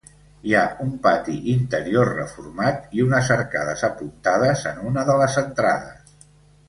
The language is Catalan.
Hi ha un pati interior reformat i unes arcades apuntades en una de les entrades.